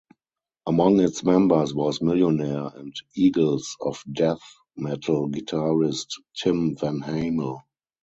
Among its members was Millionaire and Eagles of Death Metal guitarist Tim Vanhamel.